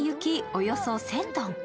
およそ１０００ｔ。